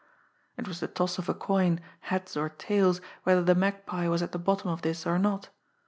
It was the toss of a coin, heads or tails, whether the Magpie was at the bottom of this or not.